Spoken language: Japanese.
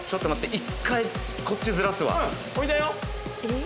一回こっちずらすわうん